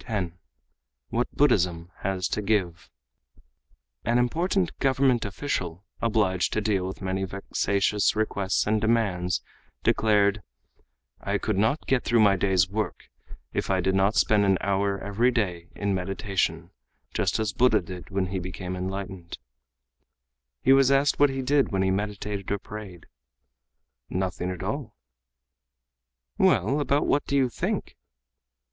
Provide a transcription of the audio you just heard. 10. What Buddhism Has to Give An important government official obliged to deal with many vexatious requests and demands declared: "I could not get through my day's work, if I did not spend an hour every day in meditation, just as Buddha did when he became enlightened." He was asked what he did when he meditated or prayed. "Nothing at all." "Well, about what do you think?"